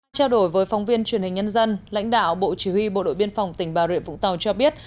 trao đổi với phóng viên truyền hình nhân dân lãnh đạo bộ chỉ huy bộ đội biên phòng tỉnh bà rịa vũng tàu cho biết